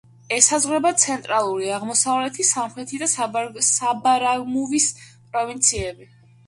ესაზღვრება ცენტრალური, აღმოსავლეთი, სამხრეთი და საბარაგამუვის პროვინციები.